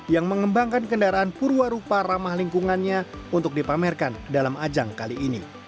yang mengembangkan kendaraan purwarupa ramah lingkungannya untuk dipamerkan dalam ajang kali ini